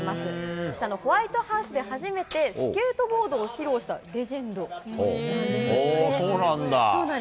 そしてホワイトハウスで初めてスケートボードを披露したレジェンそうなんだ。